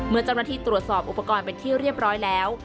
เมื่อเจ้าหน้าที่ตรวจสอบอุปกรณ์เป็นที่เรียบร้อยแล้ว